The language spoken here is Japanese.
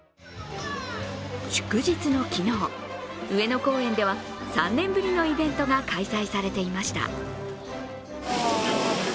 祝日の昨日、上野公園では３年ぶりのイベントが開催されていました。